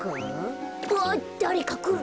あっだれかくる。